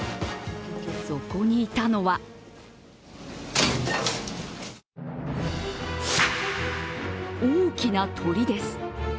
そこにいたのは大きな鳥です。